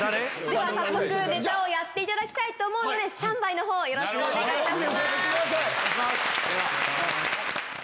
では早速ネタをやっていただきたいと思うのでスタンバイのほうよろしくお願いいたします。